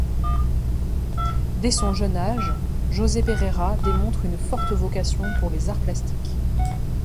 Dès son jeune âge, José Pereira démontre une forte vocation pour les arts plastiques.